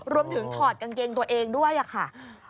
รวมถึงถอดกางเกงตัวเองด้วยค่ะ